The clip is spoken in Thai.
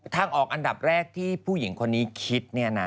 ทางออกอันดับแรกที่ผู้หญิงคนนี้คิด